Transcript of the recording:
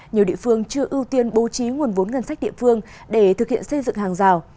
nhiều địa phương chưa ưu tiên bố trí nguồn vốn ngân sách địa phương để thực hiện xây dựng hàng rào